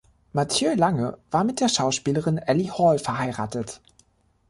Mathieu Lange war mit der Schauspielerin Elli Hall verheiratet.